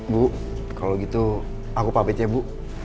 bu kalau gitu aku papet ya bu